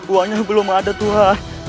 uangnya belum ada tuhan